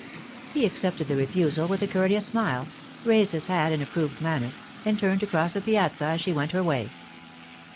He accepted the refusal with a courteous smile, raised his hat in approved manner, and turned to cross the Piazza as she went her way.